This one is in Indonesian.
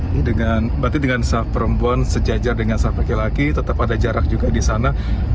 berarti dengan sah perempuan sejajar dengan sang laki laki tetap ada jarak juga di sana